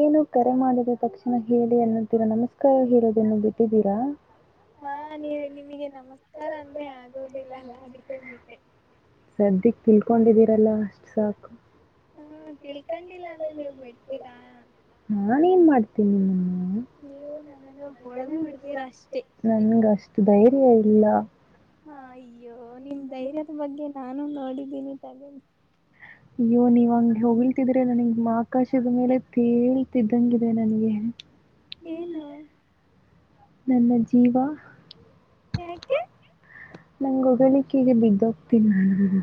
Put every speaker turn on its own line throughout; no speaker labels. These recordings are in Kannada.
ಏನು ಕರೆ ಮಾಡಿದ ತಕ್ಷಣ ಹೇಳಿ ಎನ್ನುತ್ತ. ರಾ ನಮಸ್ಕಾರ ಹೀರೋದನ್ನು ಬಿಟ್ಟಿದ್ದೀರಾ.
ಹಾ ನೀ ನಿಮಗೆ ನಮಸ್ಕಾರ ಅಂದ್ರೆ ಆಗೋದಿಲ್ಲಲ್ಲ ಅದಕ್ಕೆ ಬಿಟ್ಟೆ.
ಸದಿಕ್ಕ ತಿಳ್ಕೊಂಡಿದೀರಲ್ಲ ಅಷ್ಟ್ ಸಾಕು.
ಕಂಡಿಲ್ಲ ಅಂದ್ರೆ ನೀವು ಬಿಡ್ತೀರಾ.
[inaudible]
ನೀವು ನನ್ನನ್ನ ಹೊಡದು ಬಿಡ್ತೀರ ಅಷ್ಟೇ.
ಏ ಇಲ್ಲ.
ಹಾ ಅಯ್ಯೋ ನಿಮ್ ಧೈರ್ಯದ ಬಗ್ಗೆ ನಾನು ನೋಡಿದ್ದೀನಿ ತಗೊಳಿ.
ಅಯ್ಯೋ ನೀವ್ ಹಂಗ ಹೋಗಿಲ್ತಿದ್ರೆ ನನಗ್ ಆಕಾಶದ ಮೇಲೆ ತೇಲ್ತಿದ್ದಂಗಿದೆ ನನಗೆ.
ಏನು.
ನನ್ನ ಜೀವ.
ಯಾಕೆ.
ನಂಗಗೆ ಹೊಗಳಿಕೆಗೆ ಬಿದ್ದೋಗ್ತೀನಿ ನಾ ಹಹಹ.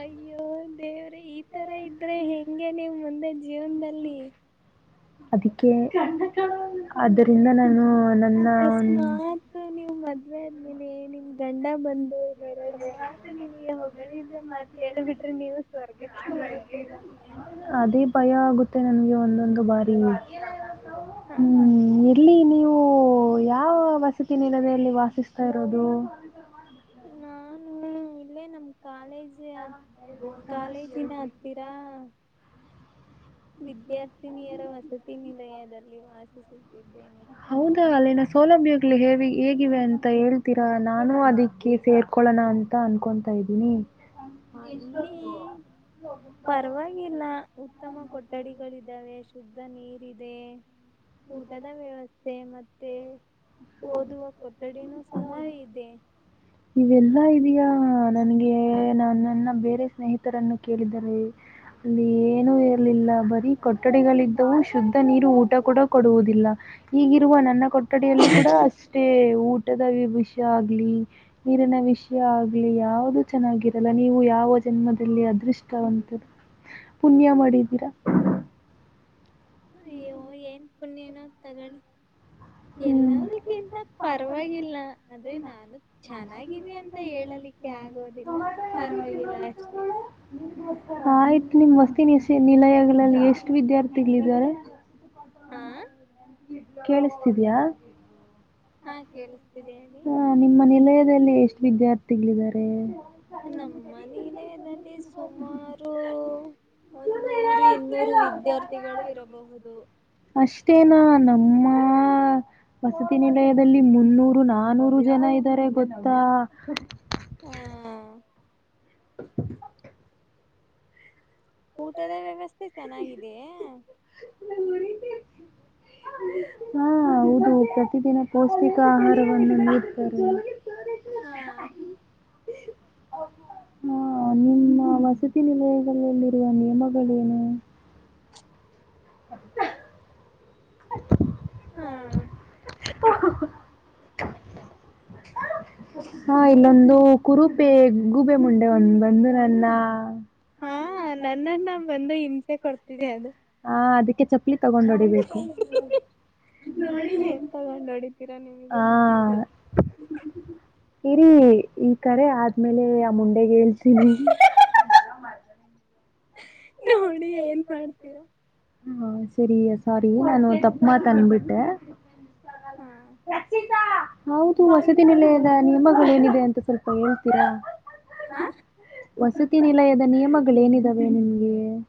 ಅಯ್ಯೋ ದೇವ್ರೇ ಈ ತರ ಇದ್ರೆ ಹೆಗೆ ನೀವು ಮುಂದೆ ಜೀವನದಲ್ಲಿ.
ಅದಕ್ಕೆ ಆದರಿಂದ ನಾನು. ನನ್ನ
ಅಕಸ್ಮಾತ್ ನೀವ್ ಮದ್ವೆ ಆದ್ಮೇಲೆ ನಿಮ್ ಗಂಡ ಬಂದು. ಎರಡು ಮಾಡ ನೀವು ಸ್ವರ್ಗಕ್ಕೆ ಹೋಗುತ್ತೀರಾ
ಅದೇ ಭಯ ಆಗುತ್ ತ್ತೆ ನಮಗೆ ಒಂದೊಂದು ಬಾರಿ
ಹ
ಹ್ಮ್ ಎಲ್ಲಿ ನೀವು. ಹ ಯಾವ ವಸತಿ ನಿಲದೆಯಲ್ಲಿ ವಾಸಿಸ್ತಾ ಇರೋದು.
ನಾನು ಇಲ್ಲೇ ನಮ್ ಕಾಲೇಜ್. ಕಾಲೇಜಿನ ಹತ್ತಿರಾ. ವಿದ್ಯಾರ್ಥಿನಿಯರ ವಸತಿ ನಿಲಯದಲ್ಲಿ ವಾಸಿಸ
ಹೌದಾ ಅಲ್ಲಿನ ಸೌಲಭ್ಯ ಮಳ ಹೇವಿ ಹೇಗಿವೆ ಅಂತ ಹೇಳ್ತೀರಾ ನಾನು ಅದಕ್ಕೆ ಸೇರ್ಕೊಳ್ಳೋಣ ಅಂತ ಅನ್ಕೊತಾ ಇದ್ದೀನಿ.
ಹ ಇಲ್ಲಿ. ಪರವಾಗಿಲ್ಲ ಉತ್ತಮ ಕೊಠಡಿಗಳಿದ್ದಾವೆ. ಶುದ್ಧ ನೀರ ಇದೆ ಊಟದ ವ್ಯವಸ್ಥೆ ಮತ್ತೆ. ಓದುವ ಕೊಠಡಿನೂ ಸಹ ಇದೆ
ನೀವೆಲ್ಲಾ ಇದೀಯಾ. ಹ ನನಗೆ ನನ್ನ ಬೇರೆ ಸ್ನೇಹಿತರನ್ನು ಕೇಳಿದರೆ ಅಲ್ಲಿ ಏನುೂ ಇರ್ಲಿಲ್ಲ ಬರೀ ಕೊಠಡಿಗಳಿದ್ದವು ಶುದ್ಧ ನೀರು ಊಟ ಕೂಡ ಕೊಡುವುದಿಲ್ಲ. ಈಗಿರುವ ನನ್ನ ಕೊಠಡಿಯಲ್ಲೂ ಅಷ್ಟೇ ಊಟದ ವಿಷಯ ಆಗ್ಲಿ ನೀರಿನ ವಿಷಯ ಆಗ್ಲಿ ಯಾವ್ದೂ ಚೆನ್ನಾಗಿ- ನೀವು ಯಾವ ಜನ್ಮದಲ್ಲಿ ಅದೃಷ್ಟವಂತರು. ಪುಣ್ಯ ಮಾಡಿದ್ದೀರಾ
ಅಯ್ಯೋ ಏನ್ ಪುಣನೋ ತಗಳಿ. ಎಲ್ಲದಕ್ಕಿಂತ ಪರವಾಗಿಲ್ಲ ಅದೇ ನಾನು.
[unintelligible]
ಚೆನ್ನಾಗಿದೆ
ಆಯ್ತು
ಅಂತ ಹೇಳಲಿಕ್ಕೆ ಆಗೋದಿಲ್ಲ ಪರವಾಗಿಲ್ಲ ಅಷ್ಟೆ
[unintelligible] ನಿಲಯಲ್ಲಿ ಎಷ್ಟು ವಿದ್ಯಾರ್ಥಿಗಳಿದಿದ್ದಾರೆ.
ಹಾ
ಕೇಳುಸ್ತಿದಿಯ
ಹಾ ಕೇಳಿಸ್ತಿದೆ ಹೇಳಿ
ಹ ನಿಮ್ಮ ಮನೆಲಿ ಎಷ್ಟು ವಿದ್ಯಾರ್ಥಿಗಳಿದ್ದಾರೆ.
ನಮ್ಮ ಮನೆಯದಲ್ಲಿ ಸುಮಾರು ಒನ್ನೂರು ಇನ್ನೂರು ವಿದ್ಯಾರ್ಥಿಗಳು ಇರಬಹುದು.
[unintelligible] ನಮ್ಮ ಹಾ ವಸತಿ ನಿಲಯದಲ್ಲಿ ಮುನ್ನೂ ನೂರು ನಾನೂರು ಜನ ಇದ್ದಾರೆ ಗೊತ್ತಾ.
ಹಾ
[inaudible]
ಊಟದ ವ್ಯವಸ್ಥೆ ಚೆನ್ನಾಗಿದೆಯೇ. [inaudible]
ಹಾ ಹೌದು ಪ್ರತಿದಿನ ಪೌಷ್ಟಿಕ ಆಹಾರವನ್ನು ನೀಡ್ತಾರೆ.
ಹಾ
ಹಾ, ನಿಮ್ಮ ವಸತಿ ನಿಲಯಗಳಲ್ಲಿರುವ ನಿಯಮಗಳೇನು [unintelligible]
ಹಾ [inaudible]
ಹಾ ಇಲ್ಲೊಂದು ಕುರುೂಪೆ ಗೂಬೆ ಮುಂಡೆ ಒಂದು ಬಂದು ನನ್ನ
ಹಾ ನನ್ನನ್ನ ಬಂದು ಇನ್ಫೆಕ್ಟ್
ಹಾ ಅದಕ್ಕೆ ತಗೊಂಡ ಹೊಡಿಬೇಕು.
ನೋಡಿ ಏನ್ ತಗೊಂಡ್ ಹೊಡಿತೀರಾ ನಿಮಗೆ
ಹಾ
ಬಿಟ್ಟಿದ್ದು
ಇರಿ ಈ ಕಡೆ ಆದ್ಮೇಲೆ ಅಮೌನ್ [unintelligible]
ನೋಡಿ ಏನ್ ಮಾಡ್ತೀರಾ.
ಹಾ ಸರಿ ಸ್ವಾರಿ ನಾನು ತಪ್ಪ ಮಾತ್ ಅಂದಬಿಟ್ಟೆ.
ಹಾ
ಹೌದು ವಸತಿ ನಿಲಯದ ನಿಯಮಗಳೇನಿದೆ ಅಂತ ಸ್ವಲ್ಪ
ಹಾ
[unintelligible] ವಸತಿ ನಿಲಯದ ನಿಯಮಗಳೇಏನಿದಾವೆ ನಿಮ್ಗೆ ಏ -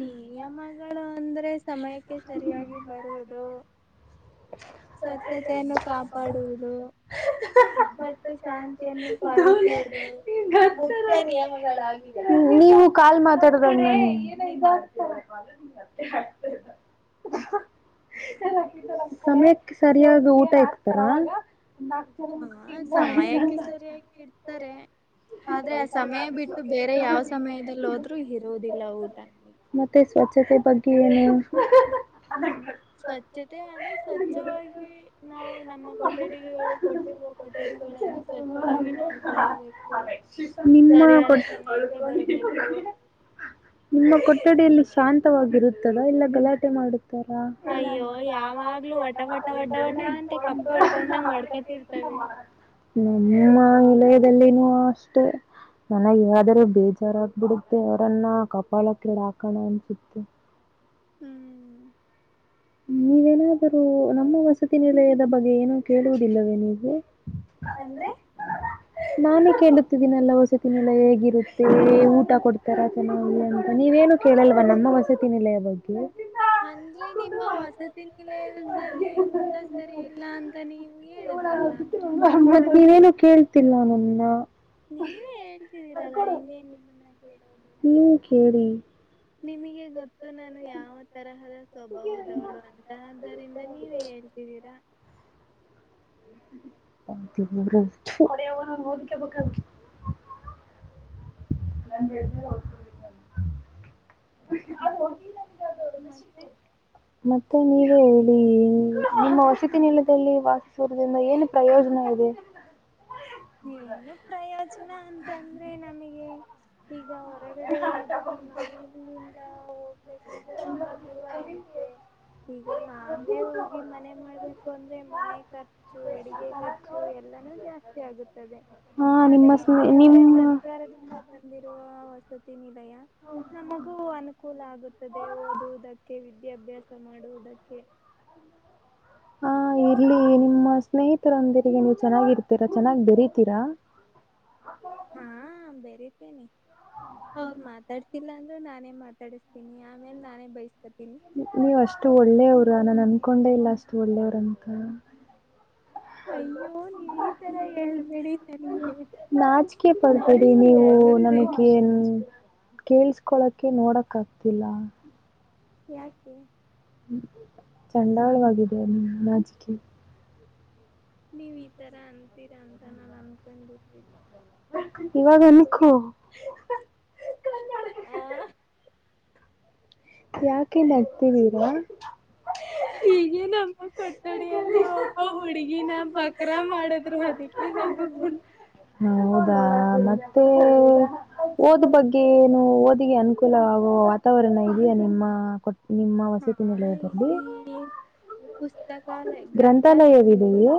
ನಿಯಮಗಳು ಅಂದ್ರೆ ಸಮಯಕ್ಕೆ ಸರಿಯಾಗಿ ಬರುವುದು [inaudible]
[unintelligible]
ಕಾಪಾಡುವುದು ಮತ್ತು ಶಾಂತಿಯನ್ನು ಪಾಲಿಸುವುದು ಮುಖ್ಯ ನಿಯಮಗಳಾಗಿವೆ
ನೀವು ಕಾಲ್ ಮಾತಾಡದವ್ಣೆ [unintelligible] ಸಮಯಕ್ಕೆ ಸರಿಯಾಗಿ ಊಟ ಇಕ್ತಾರಾ
ಹಾ ಸಮಯಕ್ಕೆ ಸರಿಯಾಗಿ ಇಡ್ತಾರೆ ಆದ್ರೆ ಆ ಸಮಯ ಬಿಟ್ಟು ಬೇರೆ ಯಾವ್ ಸಮಯದಲ್ಲಿ ಹೋದ್ರು ಇರುವುದಿಲ್ಲ ಊಟ.
ಮತ್ತೆ ಸ್ವಚ್ಛತೆ ಬಗ್ಗೆ ಏನೇನು
ಸ್ವಚತೆ ಸ್ವಚ್ಛವಾಗಿ ನಾವು ನಮ್ಮ ಕೊಠಡಿಗಳ ಕೊಟ್ಟಿ ಕೊಠಡಿಗಳನ್ನು ಸ್ವಚ್ಛವಾಗಿ ನೋಡ್ಕಳ್ಬೇಕು
ನಿಮ್ಮ
ಸರಿಯಾದ
ಕೊಠ
ಸಮಯಕ್ಕೆ ಬರಬೇಕು
ನಿಮ್ಮ ಕೊಠಡಿಯಲ್ಲಿ ಶಾಂತವಾಗಿರುತ್ತದಾ ಎಲ್ಲ ಗಲಾಟೆ ಮಾಡುತ್ತಾರಾ
ಅಯ್ಯೋ ಯಾವಾಗ್ಲೂ ವಟ ವಟ ವಟ ವಟ ಅಂತ ಕಪ್ಪೆ ಹೊಡ್ಕೊಂಡಂಗ ಹೊಡ್ಕೊತಿರ್ತವೆ
ಹ್ಮ ನಿಮ್ಮ ವಲಯದಲ್ಲಿನೂ ಅಷ್ಟೇ ನನಗಾದ್ರೂ ಬೇಜಾರಾಗಬಿಡುತ್ತೆ ಅವರನ್ನ ಕಪಾಳಕ್ಕೆಡ ಹಾಕೋಣ ಅನ್ಸುತ್ತೆ
ಹ್ಮ್
ನೀವೇನಾದರೂ ನಮ್ಮ ವಸತಿ ನಿಲಯದ ಬಗ್ಗೆ ಏನೂ ಕೇಳುವುದಿಲ್ಲವೇ ನೀವು
ಅಂದ್ರೆ
ನಾನೇ ಕೇಳುತ್ತಿದ್ದೀನಲ್ಲ ವಸತಿನಲ್ಲ ಹೇಗ ಗತ್ತೇ ಊಟ ಕೊಡ್ತಾರ ಚೆನ್ನಾಗಿ ಅಂತ ನೀವೇನು ಕೇಳಲ್ವ ನಮ್ಮ ವಸತಿ ನಿಲಯ ಬಗ್ಗೆ
ಹ ಈ ನಿಮ್ಮ ಹೊಸತಿಿನ ಕಿಲದಲ್ಲಿ ಊಟ ಸರಿ ಇಲ್ಲ ಅಂತ ನೀವು ಹೇಳಿದ್ರಲ್ಲ
ಮತ್ತತ್ ನೀವೇನು ಕೇಳ್ತೀಿ ಸನ್ನ
ನೀವೇ ಹೇಳ್ತಿದ್ದೀರಲ್ಲ ಇನ್ನೇನು
ನೀ್ಮ ಕಿ
ನಿಮಗೆ ಗೊತ್ತು ನಾನು ಯಾವ ತರಹದ ಸ್ವಭಾವದವಳು ಅಂತ ಆದ್ದರಿಂದ ನೀವೇ ಹೇಳ್ತೀರಿ
ಹೊೆಯ ಅವರ ಓದಕ್ಕೆಬೇಕ ಎಲ್ಲನ್ ಹ
ನಸ್ೆ
ಮ ನೀವೇ ಹೇಳಿ ನಿಮ್ಮ ವಸತಿಿನಲದಲ್ಲಿ ವಾಸಿಸುವರು ಏನು ಪ್ರಯೋಜನ ಇದೆ
ಏನು ಪ್ರಯೋಜನ ಅಂತಂದ್ರೆ ನಮಗೆ ಈಗ
ಚ
ನಾ ಹೋಗ್ಬೇಕಂದ್ರೆ ತುಂಬಾ ದೂರ ಆಗುತ್ತೆ ಈಗ ನಾವೇ ಹೋಗಿ ಮನೆ ಮಾಡ್ಬೇಕು ಅಂದ್ರೆ ಮನೆ ಖರ್ಚು ಅಡಿಗೆ ಖರ್ಚು ಎಲ್ಲಾನು ಜಾಸ್ತಿ ಆಗುತ್ತೆ
ಹಾ
ಅದೇ
ನಿಮ್ಮ
ಇದು
ಸ್ನೇ
ಆದ್ರೆ
ನಿಮ್ಮ
ಸರ್ಕಾರದಿಂದ ತಂದಿರುವ ವಸತಿನ ಯ ನಮಗೂ ಅನುಕೂಲ ಆಗುತ್ತದೆ ಓದುವುದಕ್ಕೆ ವಿದ್ಯಾಭ್ಯಾಸ ಮಾಡುವುದಕ್ಕೆ ಕೆ
ಹಾ ಇಲ್ಲಿ ನಿಮ್ಮ ಸ್ನೇಹಿತರೊಂದರಿಗೆ ನೀವು ಚೆನ್ನಾಗಿರ್ತೀರಾ ಚೆನ್ನಾಗಿ್ ಬೆರೀತೀರಾ
ಹಾ ಬರತೇನೆಿ ಅವ್ರ ಮಾತಾಡ್ತಿಲ್ಲ ಅಂದ್ರು ನಾನೇ ಮಾತಾಡಿಸತನಿ
ನೀವ್ ಅಷ್ಟು ಒಳ್ಳೆ ನಾನು ಅಂದಕೊಂಡೆ ಇಲ್ಲ ಅಷ್ಟು ಒಳ್ಳೆಯವ್ರಂತ
ಅಯ್ಯೋ ನೀವ್ ಈ ತರ ಹೇಳ್ಬೇಡಿ ನನಗೆ
ನಾಚಕೆ ಪಡ್ತರಿ
ನಾಚಿಕೆ
ನೀವು
ಆಗುತ್ತೆ
ನಮಗೆ ಕೇೇಳಸ್ಕೊಳಕೆ ನೋಡಕ್ ಆಗ್ತಿಲ್ಲ
ಯಾಕೆ
ಚಂಡಾಳವಾಗಿದೆ ಅ ನಾಜಿಕೆ
ನೀವ್ ಈ ತರ ಅಂತೀರಾ ಅಂತ ನಾನು ಅನ್ಕೊಂಡರ್ಿಲ್ಲ
ಇವಾಗಾಗನಕ್ಕ ಯಾಕೆ ನಡ್ತಿದ್ದೀರಾ
ಹ್ಮ ನಮ್ಮ ಕೊಠಡಿಯಲ್ಲಿ ಒಬ್ಬ ಹುಡುಗಿನ ಬಕ್ರಾ ಮಾಡಿದ್ರೆ ಅದಕ್ಕೆ ನ
ಹ ಹೌದಾ ಮತ್ತೆ ಓದ ಬಗ್ಗೆ ಏನು ಓದಿಗೆ ಅನುಕೂಲವಗುವ ವಾತಾವರಣ ಇದೆ ಈ ನಿಮ್ಮ ಕೊ ನಿಮ್ಮ
ಹಾ
ವಸತಿ ನಿಲಯದಲ್ಲಿ
ಇಲ್ಲಿ ಪುಸ್ತಕಾಲಯ ಗ್ರಂಥಾಲಯ ಇದೆ
ಗ್ರಂಥಾಲಯವಿದೆಯೇ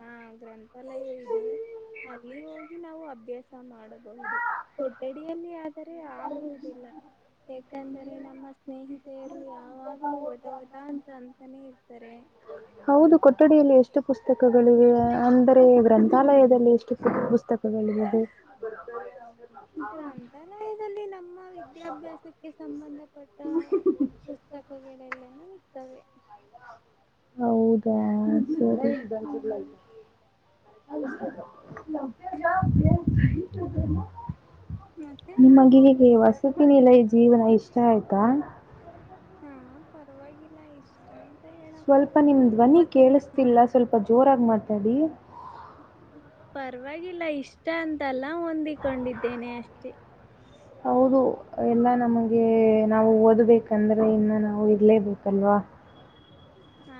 ಹಾ ಗ್ರಂಥಾಲಯ ಇದೆ ಅ ಅಲ್ಲಿ ಹೋಗಿ ನಾವು ಅಭ್ಯಾಸ ಮಾಡಬಹುದು ಕೊಠಡಿಯಲ್ಲಿ ಆದರೆ ಆಗುವುದಿಲ್ಲ ಯಾಕಂದರೆ ನಮ್ಮ ಸ್ನೇಹಿತೆಯ ಅಂತಾನೆ ಇರ್ತಾರೆ
[unintelligible] ಹೌದು ಕೊಟ್ಟ ಕೊಠಡಿಯಲ್ಲಿ ಎಷ್ಟು ಪುಸ್ತಕಗಳಿವೆ ಅಂದರೆ ಗ್ರಂಥಾಲಯದಲ್ಲಿ ಎಷ್ಟು ಪುಸ್ತಕಗಳಿವೆ ಬರ್ತ [unintelligible]
[unintelligible] [inaudible] ಗ್ರಂಥಾಲಯದಲ್ಲಿ ನಮ್ಮ ವಿದ್ಯಾಭ್ಯಾಸಕ್ಕೆ ಸಂಬಂಧಪಟ್ಟ [unintelligible] ಪುಸಕ್ಕಗಳೆಲ್ಲನ ಇರ್ತವೆ
ಹೌದಾ ಸರಿ
ಹ್ಮ್
ಅ [unintelligible] [unintelligible]
ಮತ್ತೆ
ನಿಮ್ಮ ಗಿರಿಗೆ ವಸ್ತು [unintelligible] ಸುಖಿನಿಲ ಈ ಜೀವನ ಇಷ್ಟ ಆಯ್ತಾ
ಹ್ಮ ಪರವಾಗಿಲ್ಲ ಇಷ್ಟ ಅ [unintelligible]
ಸ್ವಲ್ಪ ನಿಮ್ ಧ್ವನಿ ಕೇಳಿಸ್ತಿಲ್ಲ ಸ್ವಲ್ಪ ಜೋರಾಗಿ ಮಾತಾಡಿ
ಪರವಾಗಿಲ್ಲ ಇಷ್ಟ ಅಂತಲ್ಲ ಹೊಂದಿಕೊಂಡಿದ್ದೇನೆ ಅಷ್ಟೇ ಹ [inaudible] [unintelligible]
[unintelligible] ದು ಎಲ್ಲಾ ನಮಗೆ ನಾವು ಓದ್ಬೇಕಂದ್ರೆ ಇನ್ನ ನಾವು ಇರ್ಲೇಬೇಕಲ್ವಾ
ಹ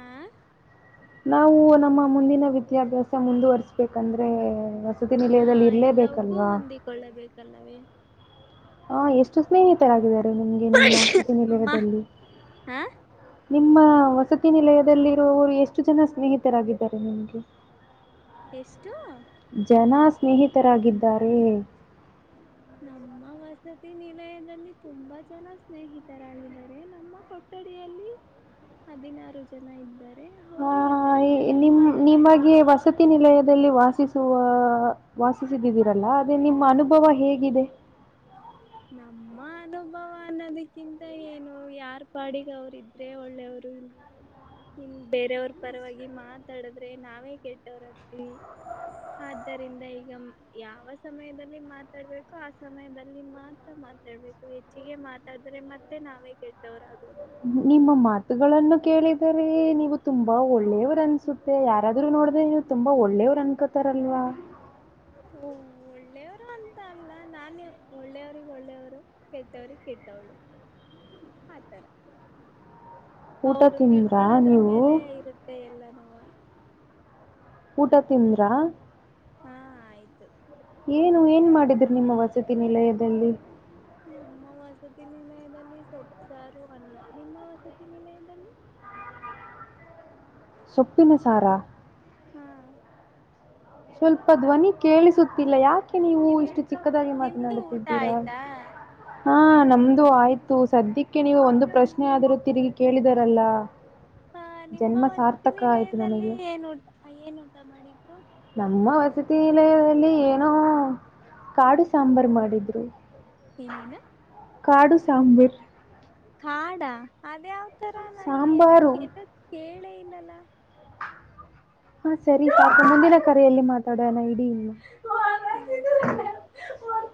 ನಾವು ನಮ್ಮ ಮುಂದಿನ ವಿದ್ಯಾಭ್ಯಾಸ ಮುಂದುವರ್ಸ್ಬೇಕಂದ್ರೆ
ಹಾ ಎಲ್ಲಕ್ಕೂ ಹೊಂದಿಕೊಳ್ಳಬೇಕಲ್ಲವೇ
ಆ, ಎಷ್ಟು ಸ್ನೇಹಿತರಾಗಿದ್ದಾರೆ ನಿಮ್ಗೆ ನಿಮ್ಮ
ಅಮ್ಮ
ಸತಿನಿಲಯದಲ್ಲಿ
ಹಾ
ನಿಮ್ಮ ವಸತಿ ನಿಲಯದಲ್ಲಿರುವವರು ಎಷ್ಟು ಜನ ಸ್ನೇಹಿತರಾಗಿದ್ದಾರೆ ನಿಮ್ಗೆ
ಎಷ್ಟು
ಜನ ಸ್ನೇಹಿತರಾಗಿದ್ದಾರೆ
ನಮ್ಮ ವಸತಿ ನಿಲಯದಲ್ಲಿ ತುಂಬಾ ಜನ ಸ್ನೇಹಿತರಾಗಿದ್ದಾರೆ ನಮ್ಮ ಕೊಟ್ಟು [unintelligible] ಕಡ ಹದಿನಾರು ಜನ ಇದ್ದಾರೆ
ಹಾ
ಅವರು ಎಲ್ಲರೂ ಚೆನ್ನಾಗಿ
ನಿಮ
ಮಾತನಾಡು
ನಿಮಗೆ ವಸತಿ ನಿಲಯದಲ್ಲಿ ವಾಸ [unintelligible] ವಾಸಿಸುವ ವಾಸಿಸಿದಿದ್ದೀರಲ್ಲ ಅದೇ ನಿಮ್ಮ ಅನುಭವ ಹೇಗಿದೆ
ನಮ್ಮ ಅನುಭವ ಅನ್ನೋದಕ್ಕಿಂತ ಏನು ಯಾರ್ ಪಾಡಿಗೆ ಅವರ ಇದ್ರೆ ಒಳ್ಳೆವರು ಬ [unintelligible] ಇನು ಬೇರೆಯವ್ರ ಪರವಾಗಿ ಮಾತಾಡದ್ರೆ ನಾವೇ ಕೆಟ್ಟವ್ರ ಆಗ್ತೀವಿ ಅದರಿಂದ ಈಗ ಯಾವ ಸಮಯದಲ್ಲಿ ಮಾತನಾಡಬೇಕು ಹಾ ಸಮಯದಲ್ಲಿ ಮಾತನಾಡಬೇಕು ಮಾತಾಡ್ಬೇಕು ಹೆಚ್ಚಿಗೆ ಮಾತಾಡಿದ್ರೆ ಮತ್ತೆ ನಾವೇ ಕೇಳ್ತವ್ರ ಆಗೋದು
ನಿಮ್ಮ ಮಾತುಗಳನ್ನು ಕೇಳಿದರೆ ನೀವು ತುಂಬಾ ಒಳ್ಳೆಯವರು ಅನ್ಸುತ್ತೆ ಯಾರಾದ್ರೂ ನೋಡ್ದ [unintelligible] ತುಂಬಾ ಒಳ್ಳೇವ್ರು ಅನ್ಕೋತಾರಲ್ವಾ
[unintelligible] ಹಓ ಒಳ್ಳೆಯ [unintelligible] ರು ಅಂತ ಅಲ್ಲ ನಾನೇ ಒಳ್ಳೆಯವ್ರಿಗೆ ಒಳ್ಳೆಯವರು ಕೆಟ್ಟವ್ರಿಗೆ ಕೆಟ್ಟವ್ಳು ಆತರ
ಊಟ
ಅವರು
ತಿಂದ್ರಾ
ತಿಳ್ಕಳದ್ರ
ನೀವು?
ಮೇಲೆ ಇರುತ್ತೆ ಎಲ್ಲನೂ
ಊಟ ತಿಂದ್ರಾ
ಹಾ ಆಯ್ತು
ಏನು ಏನ್ ಮಾಡಿದ್ರು ನಿಮ್ಮ ವಸತಿ ನಿಲಯದಲ್ಲಿ
ನಮ್ಮ [unintelligible] ನಿಮ್ಮ ವಸತಿ ನಿಲಯದಲ್ಲಿ ಸೊಪ್ಸಾರು ಅನ್ನ ನಿಮ್ಮ ವಸತಿ ನಿಲಯದಲ್ಲಿ [inaudible] [unintelligible]
ಸೊಪ್ಪಿನ ಸಾರಾ
ಹ್ಮ್
ಸ್ವಲ್ಪ ಧ್ವನಿ ಕೇಳಿಸುತ್ತಿಲ್ಲ ಯಾಕ ಯಾಕೆ ನೀವು
ನಿಮ್
ಇಷ್ಟು ಚಿಕ್ಕದಾಗಿ
ನಿಮ್ದು ಊಟ
ಮಾತನಾಡುತ್ತಿದ್ದೀರಾ
ಆಯ್ತಾ
ಹಾ ನಮ್ದು ಆಯ್ತು ಸದ್ಯಕ್ಕೆ ನೀವು ಒಂದು ಪ್ರಶ್ನೆ ಆದರೂ ತಿರುಗಿ ಕೇಳಿದರಲ್ಲ
ಹ ನಿಮ್ಮ
ಜನ್ಮ ಸಾರ್ಥಕ ಆಯ್ತು
ವಸತಿನಿಲದಲ್ಲಿ
ನನಗೆ
ಏನು ಉಟ ಏನು ಉಂಟಾ ಮಾಡಿ
ನಮ್ಮ ವಸತಿ ನಿಲಯದಲ್ಲಿ ಏನು ಕಾಡು ಸಾಂಬಾರು ಮಾಡಿದ್ರು
ಏನೇನ
ಕಾಡು ಸಾಂಬರ್
ಕಾಡ ಅದಾವ್ತರ ನಾನ ಈ
ಸಾಂಬಾರು
ಹೆಸರು ಕೇಳೇ ಇಲ್ಲಲ್ಲ
ಹಾ ಸರಿ ಸಾಕು ಮುಂದಿನ ಕರೆಯಲ್ಲಿ ಮಾತಾಡೋಣ ಇಡೀ ಇನ್ನು
ಹ್ಮ ಸರಿ [unintelligible]